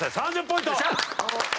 ３０ポイント。